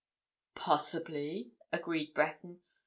"Possibly," agreed Breton.